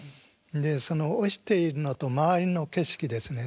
その落ちているのと周りの景色ですね